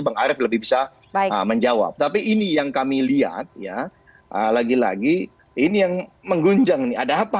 bang arief lebih bisa menjawab tapi ini yang kami lihat ya lagi lagi ini yang mengguncang nih ada apa